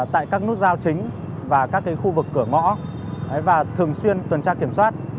tại các nút giao chính và các khu vực cửa ngõ và thường xuyên tuần tra kiểm soát